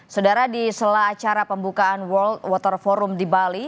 saudara di sela acara pembukaan world water forum di bali